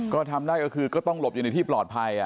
ก็ทำได้ก็คือก็ต้องหลบอยู่ในที่ปลอดภัย